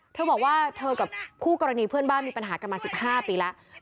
เธอบอกว่าเธอกับคู่กรณีเพื่อนบ้านมีปัญหากันมา๑๕ปีแล้ว